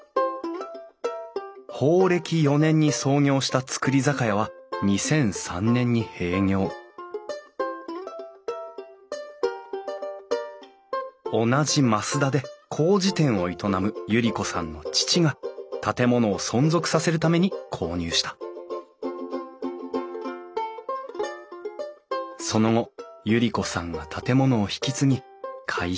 宝暦４年に創業した造り酒屋は２００３年に閉業同じ増田でこうじ店を営む百合子さんの父が建物を存続させるために購入したその後百合子さんが建物を引き継ぎ改修。